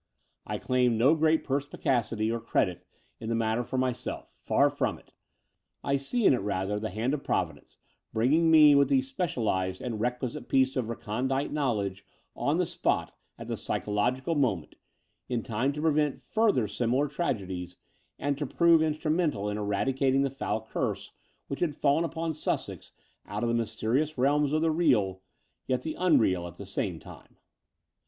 I claim no great perspicacity or credit in the matter for myself — ^f ar from it. I see in it rather the hand of Providence bringing me with the specialized and requisite piece of recondite knowledge on the six)t at the psychological moment, in time to pre vent further similar tragedies and to prove instru mental in eradicating the foul curse, which had fallen upon Sussex out of the mysterious realms of the real, yet the unreal at the same time.